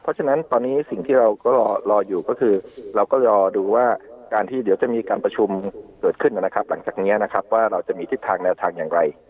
เพราะฉะนั้นตอนนี้สิ่งที่เราก็รออยู่ก็คือเราก็รอดูว่าการที่เดี๋ยวจะมีการประชุมเกิดขึ้นนะครับหลังจากนี้นะครับว่าเราจะมีทิศทางแนวทางอย่างไร